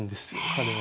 彼は。